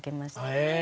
へえ。